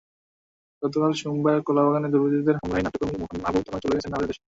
গতকাল সোমবার কলাবাগানে দুর্বৃত্তদের হামলায় নাট্যকর্মী মাহবুব তনয় চলে গেছেন না–ফেরার দেশে।